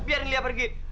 biarin liat pergi